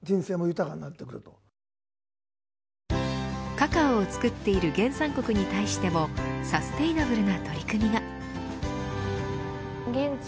カカオを作っている原産国に対してもサステイナブルな取り組みが。